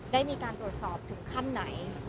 ได้มีการตรวจสอบถึงขั้นไหน